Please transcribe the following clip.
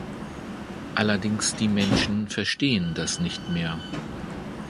Allerdings die Menschen verstehen das nicht mehr.